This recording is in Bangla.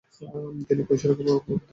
তিনি কৈশোরক পত্রিকার সম্পাদক ছিলেন।